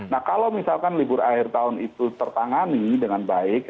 nah kalau misalkan libur akhir tahun itu tertangani dengan baik